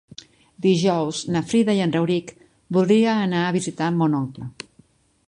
Dijous na Frida i en Rauric voldria anar a visitar mon oncle.